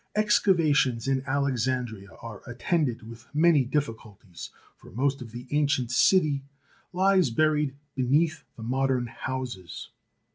Excavations in Alexandria are attended with many difficulties, for most of the ancient city lies buried beneath the modern houses.